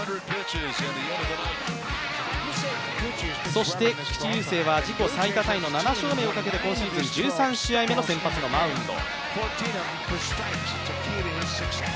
そして菊池雄星は自己最多タイの７勝目をかけて今シーズン１３試合目の先発のマウンド。